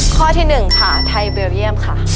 ข้อที่๑ค่ะไทยเบลเยี่ยมค่ะ